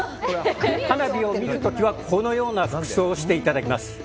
花火を見る時はこのような服装をしていただきます。